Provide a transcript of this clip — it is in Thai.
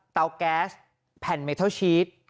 เตาแก๊สแผ่นเมทัลชีส